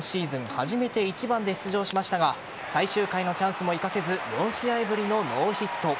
初めて１番で出場しましたが最終回のチャンスも生かせず４試合ぶりのノーヒット。